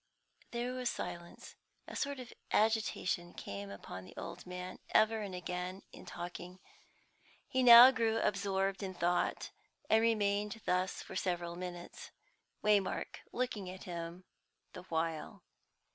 There was silence. A sort of agitation came upon the old man ever and again, in talking. He now grew absorbed in thought, and remained thus for several minutes, Waymark looking at him the while.